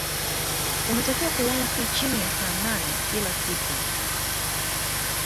Unatakiwa kulala si chini ya saa nane kila siku